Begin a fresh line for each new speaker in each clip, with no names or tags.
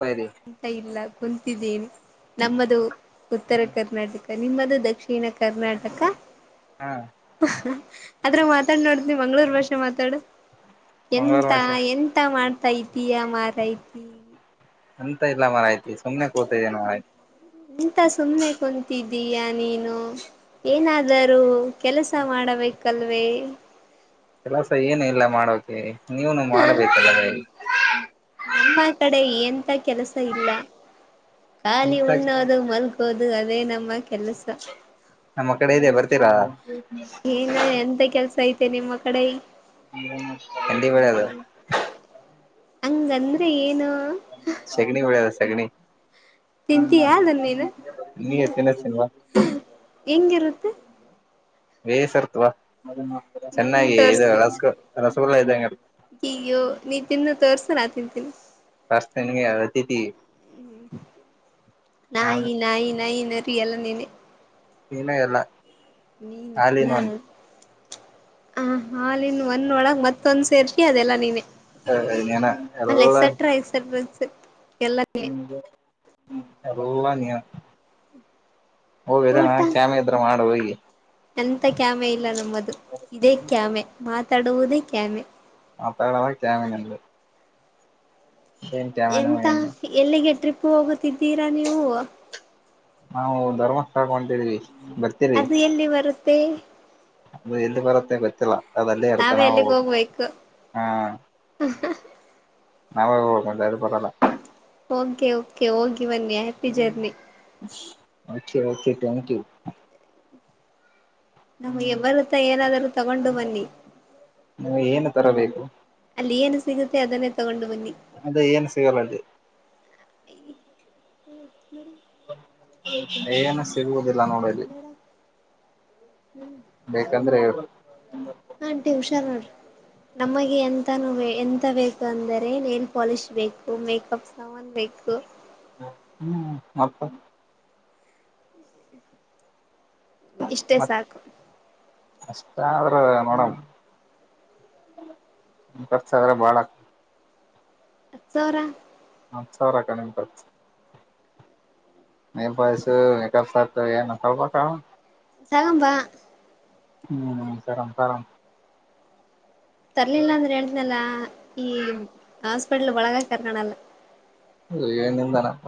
ಸರಿ
ಅಂತ ಇಲ್ಲ ಕುಂತಿದ್ದೀನ. ನಮ್ಮದು ಉತ್ತರ ಕರ್ನಾಟಕ ನಿಮ್ಮದು ದಕ್ಷಿಣ ಕರ್ನಾಟಕ.
ಹಾ
ಆದ್ರ ಮಾತಾಡ್ ನೋಡತಿ ಮಂಗ್ಗಳೂರ್ ಭಾಷೆ ಮಾತಾಡು.
ಮಂಗಳೂರು
ಎಂತ
ಭಾಷೆ
ಎಂತ ಮಾಡ್ತೈತಯಾ ಮಾರೈತಿ.
ಅಂತ ಇಲ್ಲ ಮಾರಾಯತಿ ಸುಮನೆ ಕೂತ ಇದೇನೆ ಮಾರೈತಿ.
ಎಂತ ಸುಮ್ಮನೆ ಕುಂತಿದ್ದೀಯ ನೀನು. ಏನಾದರೂ ಕೆಲಸ ಮಾಡಬೇಕಲ್ವೇ.
ಕೆಲಸ ಏನು ಇಲ್ಲ ಮಾಡೋಕೆ ನೀವನು
ಹ
ಮಾಡಬೇಕಲ್ಲ.
ನಮ್ಮ ಕಡೆ ಎಂತ ಕೆಲಸ ಇಲ್ಲ. ಖಾಲಿ
ಇಂತ
ಉಣ್ಣೋದು ಮಲ್ಗೋದು ಅದೇ ನಮ್ಮ ಕೆಲ್ಸ.
ರಾ.
ಏನ್ ಎಂತ ಕೆಲ್ಸ ಐತೆ ನಿಮ್ಮ ಕಡೆ.
ಎಟ ಇಬಡೆ ಅದು.
ಹಂಗಂದ್ರೆ ಏನು.
ಸೆಗಣಿ ಕೊಡದ ಸೆಗಣಿ.
ತಿಂತೀಯಾ ಅದನ್ನ ನೀನು
ನೀ ತಿಿನ್ತನ್ವಾ.
ಹೆಂಗಿರುತ್ತೆ.
ಬೇಸರ್ತ್ವಾ
ನೀ ತಿಂದು
ಚೆನ್ನಾಗಿ ಇ ರಸಗ ರಸಗುಲ್ಲ ಇದಂಗರ್ತ.
ಹಯ್ಯೋ ನೀ ತಿನ್ನ ತೋರ್ಸ ನಾ ತಿಂತೀನಿ.
ಗೆತತಿ.
ಹ್ಮ
ನಾನು
ನಾಯಿ ನಾಯಿ ನ ನರಿೀ ಎಲ್ಲ ನೀನೆ.
ನೀನ ಎಲ್ಲ.
ನೀನ್
ಆಲ್ ಇನ್ ಒನ್
ನ ಹಾಲನ್ನು. ಒಂದ ಒಳಗ್ ಮತ್ತೊಂದ್ ಸೇರ್ಪಿ ಅದೆಲ್ಲ ನೀನೆ
ನೀನ
ಅಲ್ಲಿ ಎಕ್ಸೆಟ್ರಾ ಎಕ್ಸೆಟ್ರಾ. ಸ.
ಹ ಎಳ್ಳ ನೀ. ಹೋಗ್ರ ನ
ಊಟ
ಕ್ಯಾಮೆ ಹತ್ರ ಮಾಡ ಹಿ.
ಎಂತ ಕ್ಯಾಮೆ ಇಲ್ಲ ನಮ್ಮದು ಇದೇ ಕ್ಯಾಮೆ ಮಾತಾಡುವುದೇ ಕ್ಯಾಮೆ.
ಮತ್ತಳಲ್ಲ ಕಮಂಗ. ಕ್ಯಾಮನು
ಎಂತ
ಏನು
ಎಲ್ಲಿಗೆ ಟ್ರಿಪ್ ಹೋಗುತ್ತಿದ್ದೀರಾ ನೀವು.
ನಾವು ಧರ್ಮಸ್ಥಳ ಹೊಂತಿದವಿ ಬರ್ತೀಿ.
ಪ.
ಅ ಎಲ್ಲಿ ಬರುತ್ತೆ ಗೊತ್ತಿಲ್ಲಾ. ಅದಲ್ಲೇ
ನಾವೇ
ಇರ್ತಣಾವೋ
ಅಲ್ಲಿಗೆ ಹೋಗ್ಬೇಕು
ಹಾ. ನಾವಾಗ ಹೋಗ ಅದು ಬರಲ್ಲ.
ಓಕೆ ಓಕೆ ಹೋಗಿ ಬನ್ನಿ happy journey.
K thank you.
ನಮ್ಗೆ ಎಬರತ್ತ ಏನಾದರೂ ತಗೊಂಡು ಬನ್ನಿ.
ನೀವು ಏನು ತರಬೇಕು
ಅಲ್ಲಿ ಏನು ಸಿಗುತ್ತೆ ಅದನ್ನೇ ತಗೊಂಡು. ಬನ್ನಿ
ಅದ ಏನ್ ಸಿಗಲ್ಲ ಅ್ದ.
ಈ್ಮ ಹ್ಮ.
ಏನು ಸಿಗುವುದಿಲ್ಲ ನೋಡಲ್ಲಿ.
ಹ್ಮ್.
ಬೇಕಂದ್ರೆ.
ಹಟಿ ಹುಷಾರ್ರ. ನಮಗೆ ಎಂತಾನ ಎಂತ ಬೇಕು ಅಂದರೆ ನೇಲ್ ಪಾಲಿಶ್ ಬೇಕು ಮೇಕಪ್. ತನ್ಬೇಕು.
ಹ್ಮ್ ಮತ್ತ.
ಇಷ್ಟೇ
ಮತ್
ಸಾಕು.
ಅಷ್ಟ ಮಾಡೋಡ. ಬರ್ಸ ಆದ್ರೆ ಬಾಳ ಆಗ್ತದೆ.
ಹ ಸಾವರ.
ಹಾ ಸಾರಕ ನಿಟ. ನೀ ಬಸ ಮೇಕ [unintelligible]
ತಾಗಂಬಾ.
ಹ್ಮ್ ಸರ ಸರ.
ತರ್ಲಿಲ್ಲ ಅಂದ್ರೆ ಹೇಳ್ತನಲ್ಲ ಈ ಹಾಸ್ಪಿಟ್ಲ್ ಒಳಗ ಕರ್ಕಣಲ್ಲ.
ಹೆ ನಿಂದಾನ ಮ.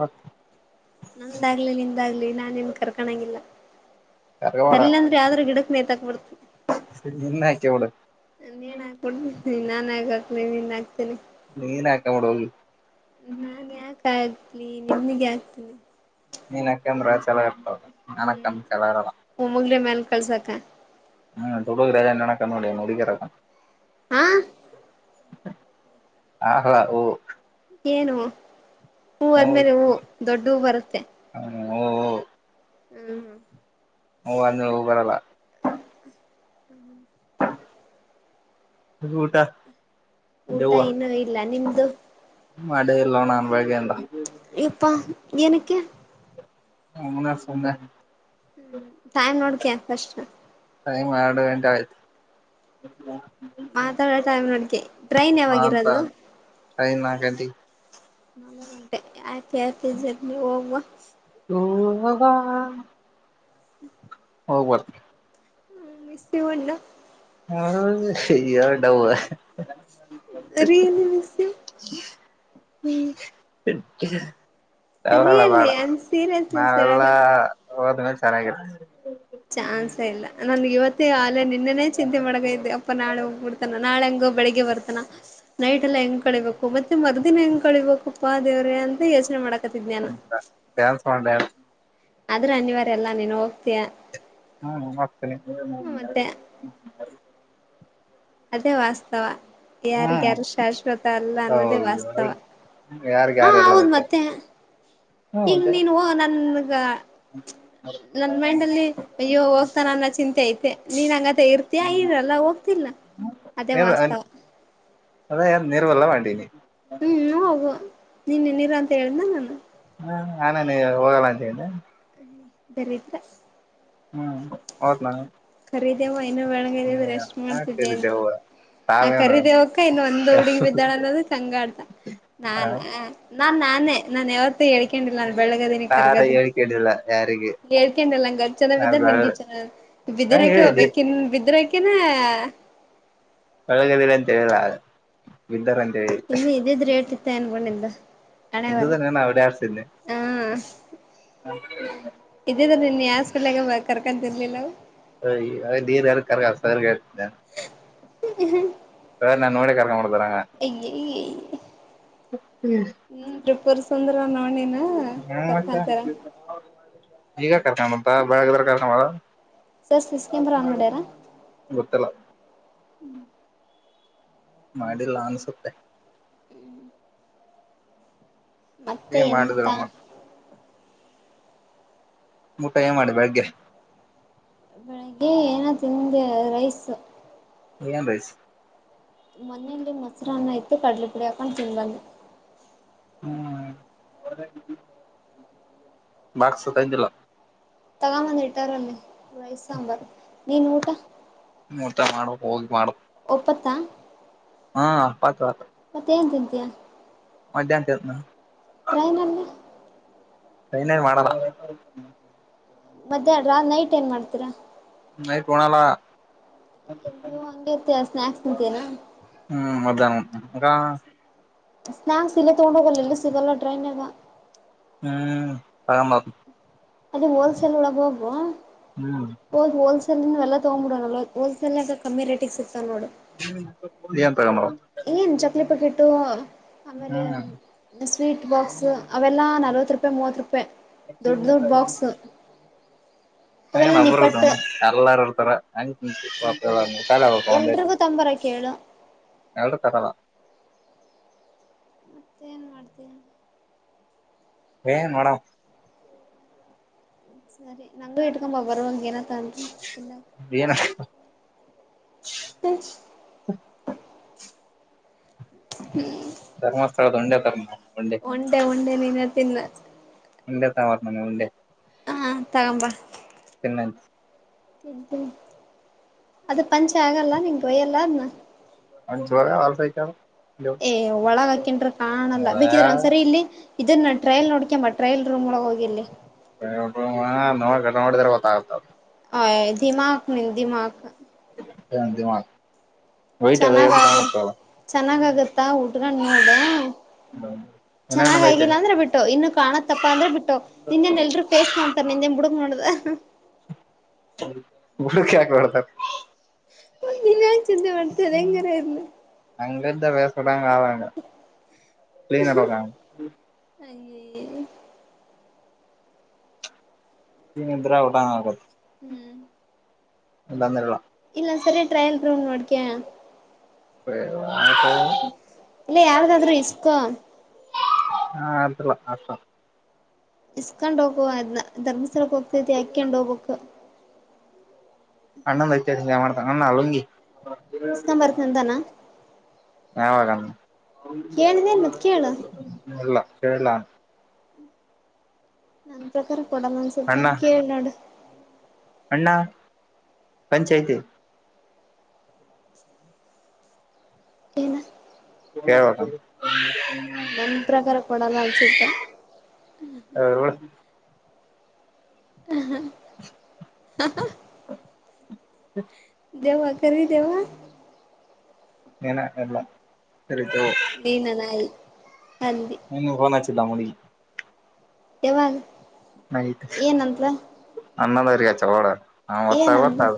ನಂದಾಗ್ಲಿ ನಿಂದಾಗ್ಲಿ ನಾನೇನ್ ಕರ್ಕಣಂಗಿಲ್ಲ.
ಕರ್ಗವಾಡ
ಅರಿಲ್ಲಾಂದ್ರೆ ಯಾವ್ದ್ರೂ ಗಿಡಕ್ ನೇಯತಾಕ್ಬಡ್ತ
ನಿನ್ನ ಹಾಕಿಬಿಡು
ನೀನ್ ಹಾಬಡ್ತ ನಾನ್ ಹಗ ಹಾಕ್ತಿ ನೀನ್ ಹಾಕ್ತೇನೆಿ
ನೀನ್ ಆಕ ಮಡೋಲ್
ನಾನ್ ಯಾಕ ಆಗ್ಲಿ ನಿಮಗೆ ಆಗ್ತನನೆ
ಚನ್ನಗಿ
ಹ್ಮ್ ಮುಂದೆ ಮೇಲ್ ಕಳ್ಸಕ
ಹ್ಮ್ ತೊಡುಗ್ರನ್ನ ನನಕ್ಕಡ ಮುಡಿಕರಕ್ಕ
ಹಾ
ಹಲ ಓ
ಏನು ಹೂ ಆದ್ಮೇಲೆ ಹೂ ದೊಡ್ಡ ಹೂ ಬರುತ್ತೆ
ಹ್ಮ
ಹ್ಮ್ ಹ್ಮ
ಓ ಅಂದು ರವ
ಹ್ಮ
ಊಟ
ಊಟ
ದೆವ್ವ
ಇನ್ನು ಇಲ್ಲ ನಿಮ್ದು
ಮಾಡೇ ಇಲ್ಲ ನನ್ ಬಳಗೆ ಎಂತ
ಇಪ್ಪಾ ಏನಕ್ಕೆ
ಹ ಹನ ಸಂದ
ಹ್ಮ್ ಟೈಮ್ ನೋಡ್ಕ ಫಸ್ಟ್
ಅ ಮಾಡಡು
ಮಾತಾಡೋ ಟೈಮ್ ನೋಡ್ಕೆ ಟ್ರೈನ್
ಆತ್ತು
ಯಾವಾಗಿರೋದು
[unintelligible] ಕತಿ
ನ ಗಂಟೆ ಆಯ್ತಿ ಆಯ್ತಿ ಇದ ಜ ಹೋಗವ
ಹವಾ
ಹ್ಮ
ಹೋಗ್ಬ
ಹ್ಮ [unintelligible]
ಹಾ ಇಯರ್ ಡವ್
ರಿ [unintelligible]
ಹ್ಮ ಸ ಅವಲ್ಲ ಬಾಡ
ರಿಯಲ್ಲಿ ಆಮ್ ಸೀರಿಯಸ್
ನಾವೆಲ್ಲಾ
ಹೇಳಕ್
ಹೋದ್ಮೇಲೆ ಚೆನ್ನಾಗಿರ್ತವಿ
ಚಾನ್ಸ ಇಲ್ಲ ನನ್ಗೆ ಇವತ್ತ ಅಲೆ ನಿನ್ನೆನನೆ ಚಿಂತೆ ಮಾಡಗ ಇದ್ದ ನಾಳ ಹೋಗ್ಬಿಡ್ತಾನ ನಾಳೆ ಹಂಗ ಬ ಬೆಳಗ್ ಬರ್ತಾನ ನೈಟ್ ಎಲ್ಲ ಹೆಂಗ್ ಕಳಿಬೇಕು ಮತ್ತೆ ಮರ್ದಿನ ಹೆಂಗ್ ಕಳಿಬೇಕಪ್ಪಾ ದೇವ್ರೇ ಅಂತ ಯೋಚನೆ ಮಾಡ
ಡ್ಯಾನ್ಸ್ ಮಾಡ ಡ್ಯಾನ್ಸ್
ಆದ್ರೆ ಅನಿವಾರ್ಯ ಎಲ್ಲಾ ನೀನು ಹೋಗ್ತೀಯಾ
ಹ್ಮ ಆಗ್ತನೆ
ಅದೇ ವಾಸ್ತವ
ಹ್ಮ್
ಯಾರಿಗಾರ ಶಾಶ್ವತ ಅಲ್ಲ ಅನ್ನೋದೇ ವಾಸ್ತವ
ಯಾರ್ಗ
ಹಾ
ಯಾರ ಇಲ್ಲ
ಹೌದ್
ಮತ್ತೆ ಹ್ಮ
ಈಗ ನೀನು ನನ್ಗ ನನ್ ಮೈಂಡ್ ಅಲ್ಲಿ ಅಯ್ಯೋ ಹೋಗ್ತಾನನ್ನ ಚಿಂತೆ ಐತೆ ನೀನ್ ಹಂಗಂತ ಇರ್ತಿಯಯ ಇರಲ್ಲ ಹೋಗ್ತ ಇಲ್ಲ ಅದೇ ವಾಸ್ತವ
ಅದೇನ್ ನೀರುವಲ್ಲ ವಂಡೀನಿ
ಹೂ ಹೋಗು ನೀನ್ ನೀಿರಾ ಅಂತ ಹೇಳ್ದ ನಾನು
ಹ ಹ ನಾನೇನು ನೀ ಹೋಗಲ್ಲ ಅಂತನೆಿ
ಬರಿದ್ರ
ಹೂ ಅವ್ನ
ಕರಿದೇವ ಇನ್ನು ಬೆಳ್ಗ ಇದ್ದಿದ್ರೆ ಎಸ್ಟು ಮಾಡ್ತಿದೆ ಏನೋ
ಹಾಕರಿದೆವು
ಆ
ತಾವೇನು
ಕರೀದೇವಕ್ಕ ಇನ್ನು ಒಂದ್ ಹುಡುಗಿ ಬಿದ್ದಾಳ ಅನ್ನೋದು ಚಂಗ ಆಡ್ತ ನಾನ್ ನಾನ್ ನಾನೇ ನಾನ್ ಯಾವತ್ತ ಹೇಳ್ಕೊಂಡಿಲ್ಲ ನಾನು ಬೆಳಗದೀಿನಿ
ತಾರ
ಕರ್ಗದಿನಿ
ಹೇಳಿಕೇಳಿಲ್ಲ ಯಾರಿಗೆ
ಹೇಳ್ಕಂಡಲ್ಲ ಹಂಗ ಅ
ನಾ
ಚನ್ನಾಗ್ಿದಾರ
ಬೆಳ
ನಿಂಗೆ ಚನ್ನ
ಹಾ
ಬಿದಿರಕೆ
ಹೇಳಿದ್ದಿ
ಹೋಗಬೇಕುಿನ್ ಇದರಕ್ಕೆನ
ಒಳಗದಿಲ್ಲ ಅಂತ ಹೇಳಲ ಬೀದರ
ಇನ್ನು ಇದಿದ್ರ ೇಟ್ಿತ್ತ ಏನೋ ಬಿಡು ನಿಂದು ಹಣೇ ಬರ
ಇದ್ದುದ ನಾನು ಅವಡ ಆಡ್ಸಿದ್ನಿ
ಹಾ ಇದ ನಿನ್ ಯಾಸ್ಪಲ್ಾಗ ಕರ್ಕಿರ್ಲಿಲ್ಲ
ಅಯ್ಯಾ ನೀವು ಯಾರು ಕಾರ ಸಗರ್ಗಿದ್ದ
್ಮ
ಸಾರ್ ನಾನ್ ನೋಡೆ ಕರ್ಕೊಂಡುಬರ್ತಾರ
ಅಯ್ಯಯ್ಯ
ಹೂ ಹೂ
ಹ್ಮ್ ತ್ರಿಪುರ್ ಸುಂದರ ನೋಡಿನ
ಮತ್ತೆ
ಕರ್ಕೊಂತಾರ
ಈಗ ಕರ್ಕೊಂಡ ಅಂತ ಬಳಗದ್ರ ಕರ್ಕೊಂಡದ
ಸರ್ ಸಿಸ ನಂಬರ್ ಅಂಗ್ಡಾರಾ
ಗೊತ್ತಿಲ್ಲ ಮಾಡಿಲ್ಲ ಅನ್ಸುತ್ತೆ
ಮತ್ತೆ
ಏನ್
ಎಂತ
ಮಾಡಿದ್ರಮ್ಮ ಊಟ ಏನ್ ಮಾಡಿ ಬೆಳಗ್ಗೆ
ಬೆಳಿಗ್ಗೆ ಏನ ತಿಿಂದೆ ರೈಸ್
ಏನ್ ರೈಸ್
ಮನೇೆಯಲ್ಲಿ ಮೊಸರನ್ನ ಇತ್ತು ಕಡಲೆ ಪುಡಿ ಹಾಕೊಂಡು ತಿನ್ಬಂದೇ
ಹೂ ಬಾಕ್ಸ ತಂದಿಲ್ಲ
ತಗಾ ಬಂದ ಇಟ್ಟಾರಲ್ಲಿೇ ರೈಸ್ ಸಾಂಬಾರು ನೀನು ಊಟ
ಹೂ ಊಟ ಮಾಡ ಹೋಗಿ ಮಾಡ
ಒಪ್ಪತ್ತ
ಹಾ
ಮತ್ತೇನ್ ತಿಂತಯಾ
ಮಧ್ಯಾಹ್ ತಿನ್ನಿ
ಟ್ರೈನ್ ನಲ್ಲಿ
ಸೈನ್ ಎನ್ ಮಾಡಲ್ಲ
ಮತ್ತ್ಯಾ ಅ್ರ ನೈಟ್ ಏನ್ ಮಾಡ್ತೀರಾ
ನೈಟ್ ಉಣ್ಣಲ್ಲ
ಅಯ್ಯೋ ಹಂಗೆ ಸ್ನ್ಯಾಕ್ಸ್ ತಿಂತೀಯೇನಾ
ಹೂ ಮಧ್ಯಾನ ಹೂ
ಸ್ನಾಾಕ್ಸ್ ಇಲ್ಲ ತಗೊಂಡ ಹೋಗಲ್ಲ ಇಲ್ಲ ಸಿಗಲ್ಲ ಟ್ರೈನ್ ನಾಗ್
ಹೂ ತಗೊಂಡು ಬರ್ನಿ ಮಾಡ
ಅದೇ ಹೋಲ್ಸೇಲ್ ಒಳಗೆ ಹೋಗ್ುವ
ಹ್ಮ್
ಹಓದ್ ಹೋಲ್ಸೇಲ್ ಎಲ್ಲ ತಗ್ಬಿಡೋಣ ಹೋಲ್ಸೇಲ್ಾಗ ಕಮ್ಮಿ ರೇಟಿಗೆ ಸಿಗ್ತ ನೋಡು
ಹೂ ಏನ್ ತಗೊಂಡ
ಏನ್ ಚಕ್ಲಿ ಪಟ್ಟಿಟ್ಟು ಆಮೇಲೆ
ಹ್ಮ್
ಸ್ವೀಟ್ ಬಾಕ್ಸ್ ಅವೆಲ್ಲ ನಲ್ವತ್ತು ರೂಪಾಯಿ ಮೂವತ್ತು ರೂಪಾಯಿ ದೊಡ್ಡ ದೊಡ್ಡ ಬಾಕ್ಸ
ನಬರುತ ಎಲ್ಲಾರು ಇರ್ತಾರ ಹಂಗ ತಿಂತಿ ಪಾಪ
ಎಲ್ರಿಗೂ ತಂಬರ ಕೇಳು
[unintelligible]
ಮತ್ತೆ ಏನ್ ಮಾಡ್ತೀ
ಏನ್ ಮಾಡಮ್
ಸ ನಂಗೂ ಎಕೊಂಬ ಬರುವಂ ಏನ ತಂ ಇಲ್ಲ
ಏನ್
ಹ್ಮ ಹ್ಮ್
ಧರ್ಮಸ್ಥಳದ ಉಂಡೆ ತರ ಉಂಡೆ
ಒಟೆ ಒಂಟೆ ನೀನೆ ತಿನ್ನ
[unintelligible]
ಹ ತಗಂಬ
ತಿನ್ನ
ಹ್ಮ ಅದು ಪಂಚೆ ಆಗಲ್ಲ ನಿಂಗ ಗಯ್ಯಲ್ಲ ಅದನ
[unintelligible]
ಏ ಒಳಗ ಹಾಕೆಂಡ್ರಾ ಕಾಣಲ್ಲ ಬೇಕಿದ್ರ ಒಂದ್ಸರಿ ಇಲ್ಲಿ ಇದ್ರ ನ ಟ್ರಯಲ್ ನೋಡ್ಕಮ್ಮ ಟ್ರಯಲ್ ರೂಮ ಒಳ ಹೋಗ ಎಲ್ಲಿ
ನೋಟ ನೋಡಿದ್ರ ಗೊತ್ತಾಗುತ್ತದು
ಹಯ್ ದೀಮಾಕ್ ಮ ದೀಮಾಕ್
ಏನ್ ದೀಮಾಲ್ ವಯಟ್ ಅದ
ಚೆನ್ನಾಗ
ಯ್ದ
ಆಗ
ಕಾಣುತ್ತ
ಚೆನ್ನಾಗ ಆಗತ್ತಾ ಚೆನ್ನಾಗಾಗಿಲ್ಲ ಅಂದ್ರ ಬಿಟ್ಟು ಇನ್ನು ಕಾಣತ್ತಪ್ಪಾ ಅಂದ್ರೆ ಬಿಟ್ಟು ನಿಂದೇನ್ ಎಲ್ರೂ ಫೇಸ್ ಮಾಡ್ತಾರ್ ನಿಂದೆನ್ ಬುಡುಗ್ ನೋಡ್ದ
[unintelligible]
[unintelligible]
ಅಂಗಂತ ವಸಡ ಆ ಕ್ಲೀನ
ಅಯ್ಯಯಿ -
ತಿ ನಂತ್ರಾವಟಂಗ ಹಗ
ಹ್ಮ್
ಎಲ್ಲಂದಲ್ಲ
ಇಲ್ಲ ಸರಿ ಟ್ರಯಲ್ ರೂಮ್ ನೋಡ್ಕಯ
[unintelligible]
ಇಲ್ಲ ಯಾವ್ದಾದ್ರು ಇಸ್ಕೋ
ಹಾ ಅಲ್ಲ ಅಷ್ಟ
ಇಸ್ಕಂಡೋಗು ಅದ್ನ ಧರ್ಮಸ್ಥಳಕ್ಕೆ ಓಗ್ತಾ ಇದೀಯ ಅಕ್ಯಾಂಡು ಒಗ್ಬೊಕ್
ಅಣ್ಣಂದಂದುತ ಮಾಡ್ತ ಅಣ್ಣ ಅಲಂಗಿ
ಇಸ್ಕೊಂಡ್ ಬರ್ತನಂತಾನ
ಯವಗ -
ಕೇಳಿದೆ ಮತ್ ಕೇಳು
ಇಲ್ಲ ಕೇಳಲಾನ
ನನ್ ಪ್ರಕಾರ ಕೊಡಲ್ಲ ಅನ್ಸುತ್ತ
ಅಣ್ಣ
ಕೇಳ್ ನೋಡು
ಅಣ್ಣ ಪಂಚಿ ಐತಿ
ಏನು
[unintelligible]
ನಮ್ ಪ್ರಕಾರ ಕೊಡಲ್ಲ ಅನ್ಸತ್ತು [unintelligible] ದೆವ್ವ ಕರಿ ದೆವ್ವ
ಏನ ಎಲ್ಲ
ನೀನ ನಾಯಿ ಅಂದಿ
ಎಂಗ ಫೋನ್ ಹಚ್ಚಿದ ನಮೋನಿಗೆ
ಯಾವಾಗ ಏನಂದ್ಲ
[unintelligible] ಹಾ ಒತ್ತಾ
ಏನಂದ್ಲ
ಗೊತ್ತದು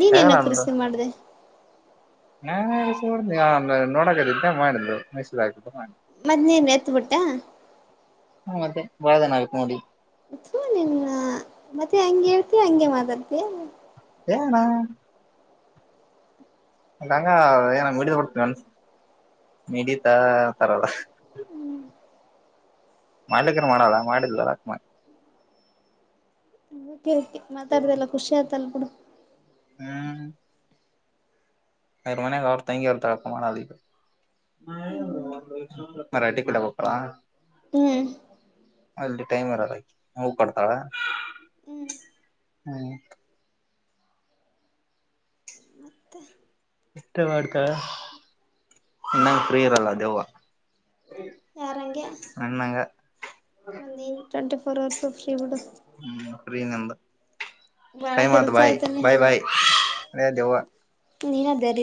ನೀನೇನೋ
ಏನು
ಕೃಷಿ ಮಾಡ್ದ
ಹಾ ನೋಡಕದಂತ ಮಾಡಿದ್ಲು ಮೈಸೂಲು
ಮದ್ನೇನ್ ಎತ್ಬಿಟ್ಟ
ಹ ಮತ್ತೆ ಬಾಳದಿನ ಆಗಿತ್ ನೋಡಿ
ತೂ ನಿನ್ನ ಮತ್ತೆ ಹಂಗೆ ಹೇಳ್ತೀಯ ಹಂಗೆ ಮಾತಾಡ್ತಿಯ
ಏಣ ಅಂಗ ನ ಮಡಿದ ಕೊಡ್ತ ಮಿಡಿತಾ ಅಂತಾರಲ್ಲ. ಮಾಡ್ಲಿಿಕ್ರ ಮಾಡೋದಾ ಮಾಡಲಿಲ್ಲ ಆಕಿ
ಹ ಮಾತಾಡದೆಲ್ಲ ಖುಷಿ ಆಯ್ತ ಅಲ್ಲಾ ಬಿಡು
ಹ್ಮ್ ಅವರ ಮನ್ಯಾಗ ಅವ್ರ ತಂಗಿ ಇರ್ತಾಳ ಅದ್ಕ ಮಾಡಲ್ಲ ಈಗ.
ಹ್ಮ್
ಮರಾಠಿ ಕಡೆ ಹೊಕವ
ಹ್ಮ್
ಅಲ್ಲಿ ಟೈಮ್ ಇರಲ್ಲ ಹೂ ಕೊಡ್ತಾಳ
ಹ್ಮ್
ಹ್ಮ್
ಮತ್ತೆ
ಇಷ್ಟೇ ಮಾಡ್ತಾಳಾ ನನ್ನಂಗ ಫ್ರೀ ಇರಲ್ಲ ದೇವ್ವ
ಯಾರಂಗೆ
ನನ್ನಂಗ
ನೀನ್ ಟ್ವೆಂಟಿಫೋರ್ ಹೌರ್ಸ್ ಫ್ರೀ ಬಿಡು
ಫ್ರೀ ನಂದ
ಭಾಳ
ಕೈ ಆತ
ಕೆಲಸ
ಭಾಯ
ಆಯ್ತಾನೆ
ಭಾಯ ಭಾಯ ಅ ದೆವ್ವ
ನೀನ ಧೈರ್ಯ